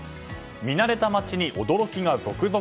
見慣れた街に驚きが続々？